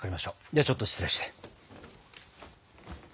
ではちょっと失礼して。